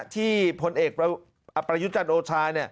พลเอกประยุจันทร์โอชา